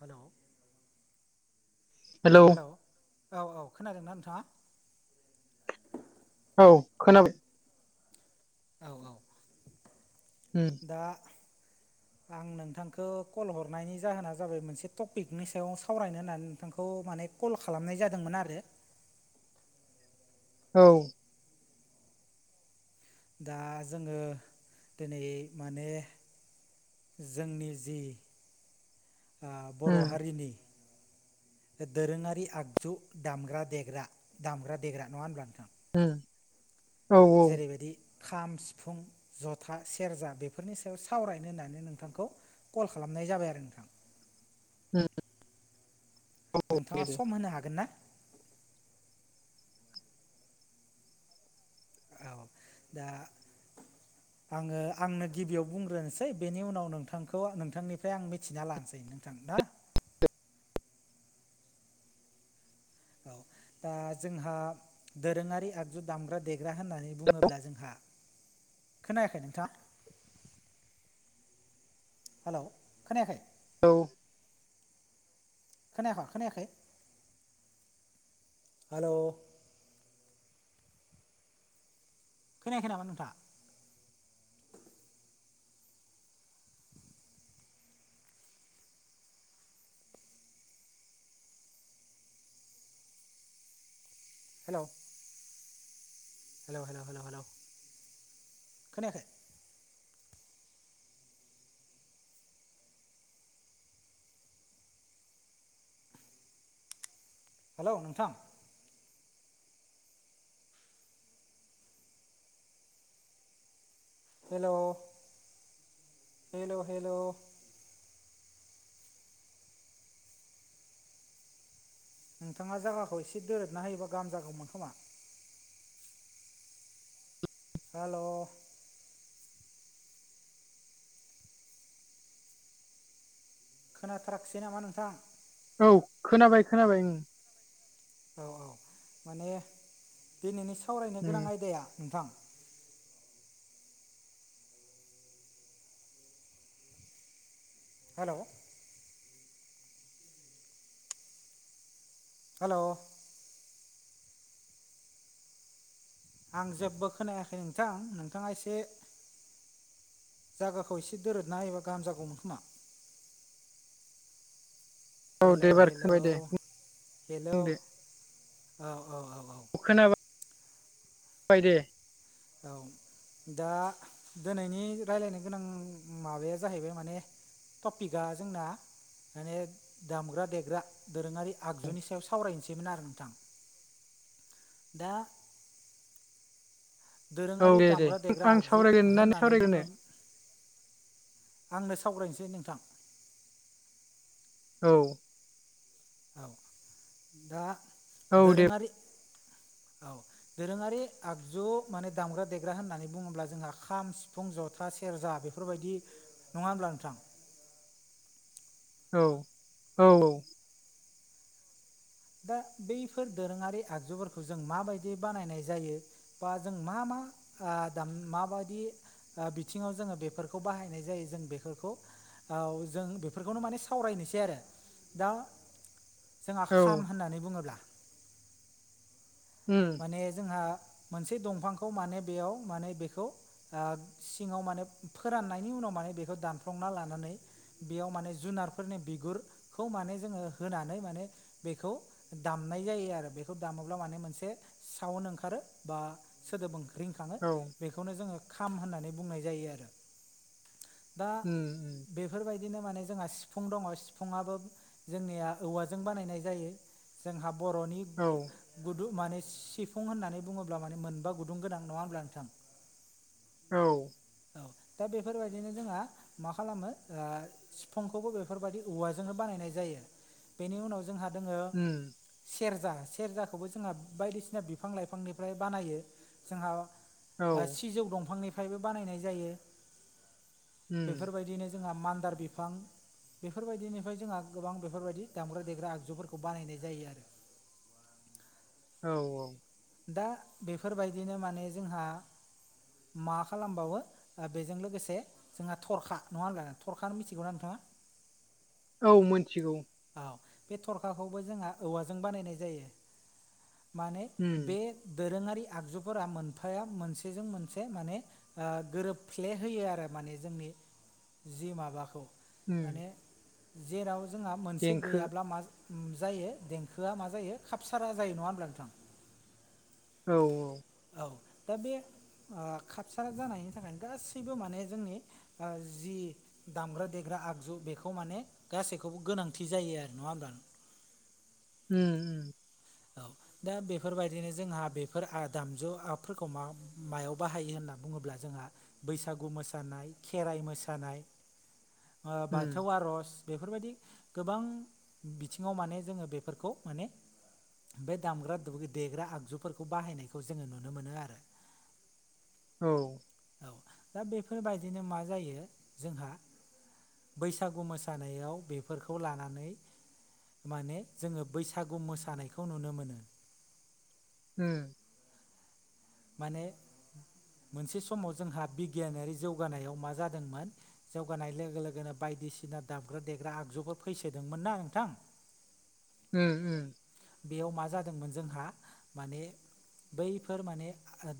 हेल' hello hello औ औ खोनादोंना नोंथाङा औ खोनाबाय औ औ होम दा आं नोंथांखौ कल हरनायनि जाहोना जाबाय मोनसे टपिकनि सायाव सावरायनो होननानै नोंथांखौ माने कल खालामनाय जादोंमोन आरो औ दा जोङो दिनै माने जोंनि जि बर' उम हारिनि दोरोङारि आगजु दामग्रा दामग्रा देग्रा नङा होनब्ला नोंथां ओम जेरैबायदि खाम सिफुं जथा सेरजा बेफोरनि सायाव सावरायनो होन्नानै नोंथांखौ कल खालामनाय जाबाय आरो नोंथां उम नोंथाङा सम होनो हागोन ना औ दा आङो आंनो गिबियाव बुंग्रोनोसै बेनि उनाव नोंथांखौ नोंथांनिफ्राय आं मिथिना लानोसै नोंथां ना औ दा जोंहा दोरोङारि आगजु दामग्रा देग्रा होननानै बुङोब्ला जोंहा खोनायाखै नोंथां हेल' खोनायाखै औ खोनायाखै खोनायाखै हेल' खोनायाखै नामा नोंथांङा हेल' हेल हेल हेल हेल खोनायाखै हेल' नोंथां हेल' हेल' हेल' नोंथाङा जायगाखौ एसे दोरदना होयोबा गाहाम जागोमोनखोमा हेल' खोनाथाराखिसै नामा नोंथां औ खोनाबाय खोनाबाय औ औ माने दिनैनि सावरायनो उम गोनां आयदाया नोंथां हेल' हेल' आं जेबो खोनायाखै नोंथां नोंथाङा एसे जागाखौ एसे दोरदना होयोबा गाहाम जागौमोन खोमा औ दे हेलौ एबार हेलौ खोबाय दे हेलौ बुंदो औ औ औ औ खोनाबा बाय दे औ दा दिनैनि रायलायनो गोनां माबाया जाहैबाय माने टपिकआ जोंना माने दामग्रा देग्रा। दोरोङारि आगजुनि सायाव सावरायनोसैमोन आरो नोंथां दा औ दोरोङारि दे दे दामग्रा देग्रा आं आगजु सावरायगोन ना नों होननानै सावरायग्रोनो बुङो आंनो सावरायनोसै नोंथां। औ औ दा औ दे दोरोङारि औ दोरोङारि आगजु माने दामग्रा देग्रा होननानै बुङोब्ला जोंहा खाम सिफुं ज था सेरजा बेफोरबायदि नङा होमब्ला नोंथां? औ औ औ दा बैफोर दोरोङारि आगजुफोरखौ जों माबायदि बानायनाय जायो? बा जों मा मा ओ दाम माबायदि ओ बिथिङाव जोङो बेफोरखौ बाहायनाय जायो जों बेफोरखौ औ जों बेफोरखौनो माने सावरायनोसै आरो दा जोंहा औ खाम होननानै बुङोब्ला उम माने जोंहा मोनसे दंफांखौ माने बेयाव माने बेखौ ओ सिङाव माने फोराननायनि उनाव माने बेखौ दानफ्लंना लानानै बेयाव माने जुनारफोरनि बिगुरखौ माने जोङो होनानै माने बेखौ दामनाय जायो आरो बेखौ दामोब्ला माने मोनसे साउन्ड ओंखारो बा सोदोब ओं रिंखाङो। औ बेखौनो जोङो खाम होननानै बुंनाय जायो आरो दा उम बे फोरबायदिनो माने जोंहा सिफुं दङ सिफुुङाबो जोंनिया औवाजों बानायनाय जायो। जोंहा बर'नि औ गुदु माने सिफुं होननानै बुङोब्ला माने मोनबा गुदुं गोनां नङा ओनब्ला नोंथां? औ औ दा बेफोरबायदिनो जोङा मा खालामो ओ सिफुंखौबो बेफोरबायदि औवाजोंनो बानायनाय जायो बेनि उनाव जोंहा दोङो उम सेर्जा सेर्जाखौबो जोङा बायदिसि ना बिफां लाइफांनिफ्राय बानायो जोंहा ओ औ सिजौ दंफांनि फ्रायबो बानायनाय जायो उम बेफोरबायदिनो जोङा मान्दार बिफां बेफोरबायदिनिफ्राय जोङा गोबां बेफोरबायदि दामग्रा देग्रा आगजुफोरखौ बानायनाय जायो आरो। औ औ दा बेफोरबायदिनो माने जोंहा मा खालामबावो बेजों लोगोसे जोङा थरखा नङा होनलाय थरखा मिथिगौना नोंथाङा? औ मोनथिगौ। औ बे थरखाखौबो जोंहा औवाजों बानायनाय जायो माने उम बे दोरोङारि आगजुफोरा मोनफाया मोनसेजों मोनसे माने ओ गोरोबफ्ले होयो आरो माने जोंनि जि माबाखौ उम माने जेराव जोङा मोनसे देंखो गैयाब्ला मा जायो देंखोआ मा जायो खापसारा जायो नङा ओनब्ला नोंथां? औ औ औ दा बे ओ खापसारा जानायनि थाखायनो गासैबो माने जोंनि ओ जि दामग्रा देग्रा आगजु बेखौ माने गासैखौबो गोनांथि जायो आरो नङा ओमब्ला? उम उम औ। दा बेफोरबायदिनो जोंहा बेफोर दामजुफोरखौ म मायाव बाहायो होनना बुङोब्ला जोंहा बैसागु मोसानाय खेराइ मोसानाय बाथौ उम आर'ज बेफोरबायदि गोबां बिथिङाव माने जोङो बेफोरखौ माने बे दामग्रा देग्रा आगजुफोरखौ बाहायनायखौ जोङो नुनो मोनो आरो औ औ दा बेफोरबायदिनो मा जायो जोंहा बैसागु मोसानायाव बेफोरखौ लानानै माने जोङो बैसागु मोसानायखौ नुनो मोनो हम माने मोनसे समाव जोंहा बिगियानारि जौगानायाव मा जादोंमोन जौगानाय लोगो लोगोनो बायदिसिना दाबग्रा देग्रा आगजुफोर फैसोदोंमोन ना नोंथां उम उम बेयाव मा जादोंमोन जोंहा माने बैफोर माने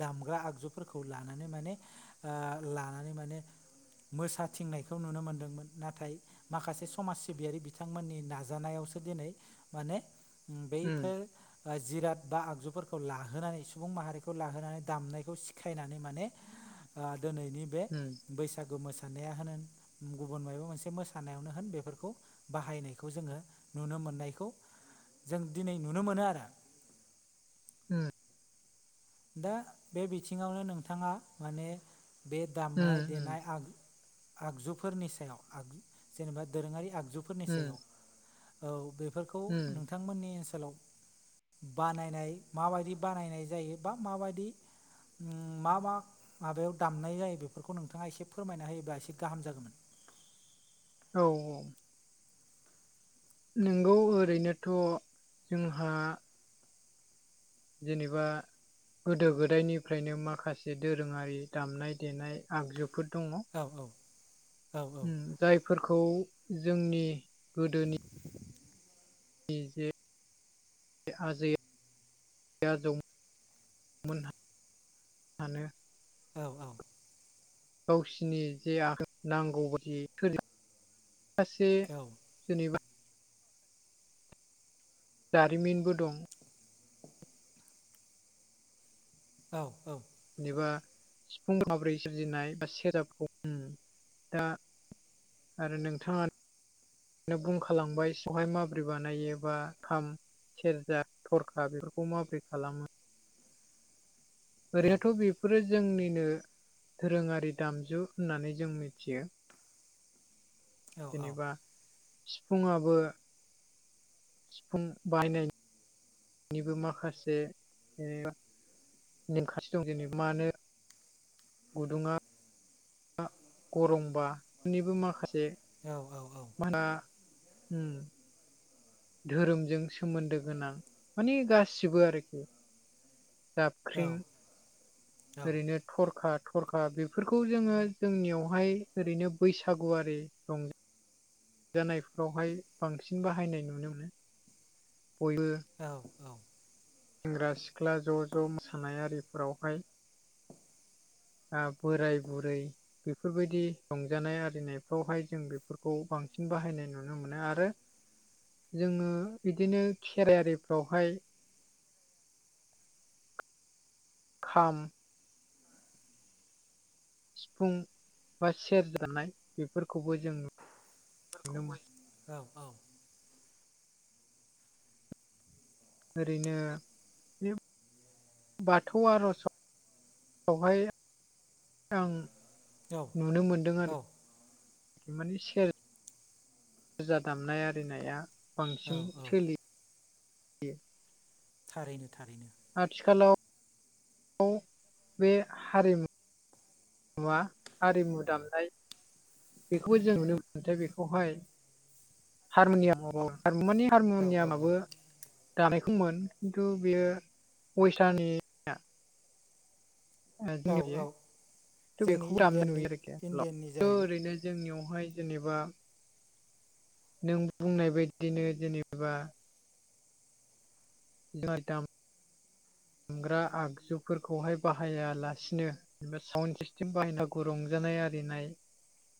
दामग्रा आगजुफोरखौ लानानै माने लानानै माने मोसाथिंनायखौ नुनो मोनदोंमोन नाथाय माखासे समाज सिबियारि बिथांमोननि नाजानायावसो दिनै माने उम बेफोर जिराद बा आगजुफोरखौ लाहोनानै सुबुं माहारिखौ लाहोनानै दामनायखौ सिखायनानै माने दिनैनि बे उम बैसागु मोसानाय मोसानायानो होन गुबुन माबा मोनसे मोसानायावनो होन बेफोरखौ बाहायनायखौ जोङो नुनो मोननायखौ जों दिनै नुनो मोनो आरो उम दा बे बिथिङावनो नोंथाङा माने बे उम दामनाय देनाय आगजु आगजुफोरनि सायाव आग जेनेबा दोरोङारि आगजुफोरनि सायाव उम औ बेफोरखौ उम नोंथांमोननि ओनसोलाव बानायनाय माबायदि बानायनाय जायो बा माबायदि मा मा माबायाव दामनाय जायो बेफोरखौ नोंथाङा एसे फोरमायना होायोबा एसे गाहाम जागौमोन औ औ नोंगौ ओरैनोथ' जोंहा जेनेबा गोदो गोदायनिफ्रायनो माखासे दोरोङारि दामनाय देनाय आगजुफोर दङ औ औ औ जायफोरखौ जोंनि गोदोनि नि जे आजै आजौ मोनहानो औ औ गावसिनि जे आगजु नांगौ बायदि बेफोरखौ माखासे औ जेनेबा जारिमिनबो दं औ औ जेनेबा सिफुं माब्रै सोरजिनाय बा सेरजाखौ दा आरो नोंथाङा नो बुंखालांबाय [unintelligible] हाय माबोरै बानायो बा खाम सेरजा थरखा बेफोरखौ माबोरै खालामो ओरैयाथ' बेफोरो जोंनिनो दोरोङारि दामजु होननानै जों मिथियो औ जेनेबा सिफुुङाबो सिफुं बायनाय बेनिबो माखासे नेंमखानथि दं जेनेबा मानो गुदुंङा गरंबानिबो माखासे औ औ औ [unintelligible] धोरोमजों सोमोन्दो गोनां माने गासिबो आरोखि जाबख्रिं ओरैनो थरखा थरखा बेफोरखौ जोङो जोंनियावहाय ओरैनो बैसागुआरि जानायफ्रावहाय बांसिन बाहायनाय नुनो मोनो बयबो औ औ सेंग्रा सिख्ला ज' ज' मोसानाय आरिफोरावहाय बोराय बुरै बेफोरबायदि रंजानाय आरिनायफ्रावहाय जों बेफोरखौ बांसिन बाहायनाय नुनो मोनो आरो जोंङो बिदिनो खेराइआरिफ्रावहाय खाम सिफुं बा सेरजानाय बेफोरखौबो जों नु बेफोरखौबो औ औ ओरैनो बे बाथौ आर'जावहाय आं नुनो मोनदों आरोखि माने सेर जा दामनाय आरिनाया औ बांसिन औ सोलि थारैनो थारैनो आथिखालाव बे हारिमु मुवा हारिमु दामनाय बेखौबो जों नुनो मोनोथाय बेखौहाय हारमुनियाम माने औ औ हारमुनियामाबो दानायखौमोन खिन्थु बेयो वेसटार्ननि औ औ [unintelligible] जोंनि बेखौ दामनाय इण्डियाननि नुयो आरोखि इण्डियाननि [unintelligible] जाहैबाय ओरैनो जोंनियावहाय जेनेबा नों बुंनाय बायदिनो जेनेबा [unintelligible] ग्रा आगजुफोरखौहाय बाहायालासिनो जेनबा साउन्ड सिस्टेम बाहायना [unintelligible] रंजानाय आरिनाय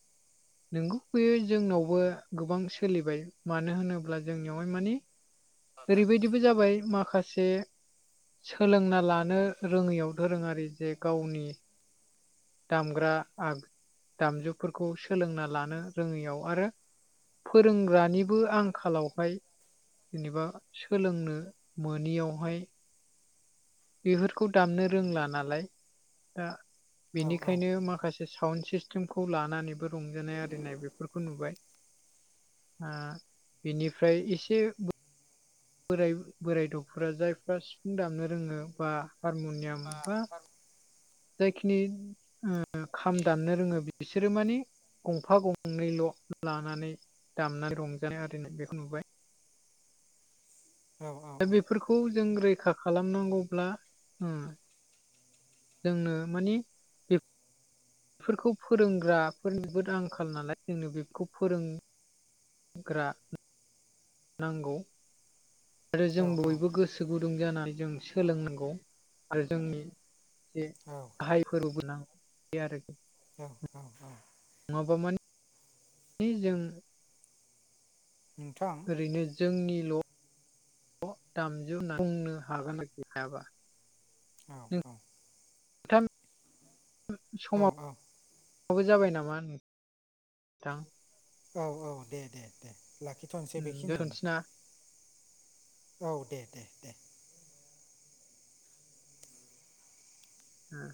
[inaudible] नोंगौ बेयो जोंनावबो गोबां सोलिबाय मानो होनोब्ला जोंनियावहाय माने [inaudible] ओरै बायदिबो जाबाय माखासे सोलोंना लानो रोंङैयाव दोरोंङारि जे गावनि दामग्रा दामजुफोरखौ सोलोंना लानो रोङैयाव आरो फोरोंग्रानिबो आंखालावहाय जेनेबा सोलोंनो मोनैयावहाय बेफोरखौ दामनो रोंला नालाय दा औ औ बेनिखायनो माखासे एसे साउन्ड सिस्टेमखौ लानानैबो रंजानाय आरिनाय बेफोरखौ नुबाय बिनिफ्राय एसे बोराय बोराय द'फोरा जायफ्रा सिफुं दामनो रोंङो बा हारमुनियाम बा जायखिनि खाम दामनो रोंङो बिसोरो माने गंफा गंनैल' लानानै दामनानै रंजानाय आरि बेखौ नुबाय औ औ दा बेफोरखौ खौ जों रैखा खालामनांगौब्ला जोंनो माने बेफोरखौ फोरोंग्राफोरनिबोद आंखाल नालाय जोंनो बेफोरखौ फोरों नांगौ आरो औ जों बयबो गोसो गोसो गुदुं जानानै जों सोलोंनांगौ आरो जोंनि जे औ गाहाय फोरबो गोनां बे आरो ज औ औ नङाबा मानेे जों नोंथां ओरैनो जोंनिल' दामजु होन्नानै बुंनो हागोन आरोखि हायाबा औ औ [unintelligible] समाव औ माबो जाबाय नामा थां औ औ दे दे दे लाखिथ'नोसै दोनथ'नोसै बेखिनियावनो ना? औ दे दे दे उम